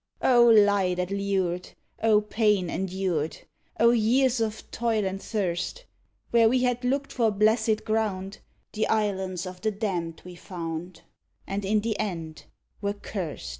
O lie that lured! O pain endured! O years of toil and thirst! Where we had looked for blesséd ground The Islands of the Damned we found, And in the end were curst!